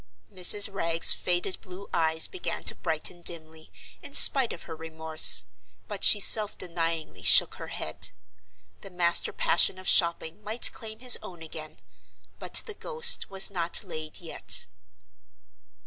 Mrs. Wragge's faded blue eyes began to brighten dimly, in spite of her remorse; but she self denyingly shook her head. The master passion of shopping might claim his own again—but the ghost was not laid yet.